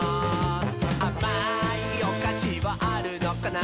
「あまいおかしはあるのかな？」